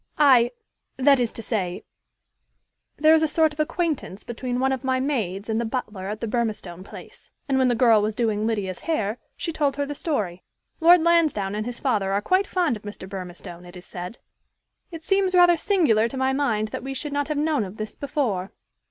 "I that is to say there is a sort of acquaintance between one of my maids and the butler at the Burmistone place; and, when the girl was doing Lydia's hair, she told her the story. Lord Lansdowne and his father are quite fond of Mr. Burmistone, it is said." "It seems rather singular to my mind that we should not have known of this before."